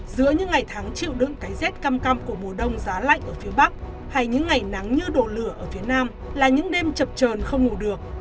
giữa những ngày tháng chịu đựng cái rét căm căm của mùa đông giá lạnh ở phía bắc hay những ngày nắng như đổ lửa ở phía nam là những đêm chập trờn không ngủ được